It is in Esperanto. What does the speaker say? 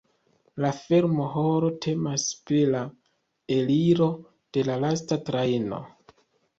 La fermo-horo temas pri la eliro de la lasta trajno.